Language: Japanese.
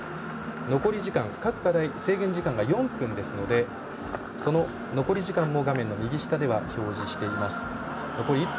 残り時間各課題の制限時間が４分ですので、その残り時間も画面の右下に表示しています。